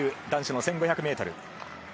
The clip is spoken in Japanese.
男子の１５００ｍ。